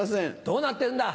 どうなってるんだ。